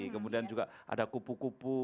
kemudian juga ada kupu kupu